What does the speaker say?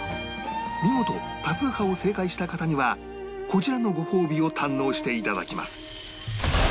見事多数派を正解した方にはこちらのご褒美を堪能して頂きます